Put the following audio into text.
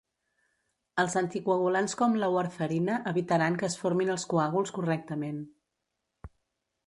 Els anticoagulants com la warfarina evitaran que es formin els coàguls correctament.